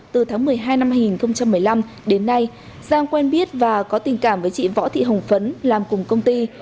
từ tháng một mươi hai năm hai nghìn một mươi năm đến nay giang quen biết và có tình cảm với chị võ thị hồng phấn làm cùng công ty